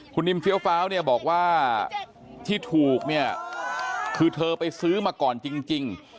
คุณอิมเฟียวฟาวบอกว่าที่ถูกคือเธอไปซื้อมาก่อนจริง